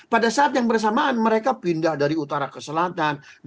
pada saat yang bersamaan mereka pindah dari utara ke selatan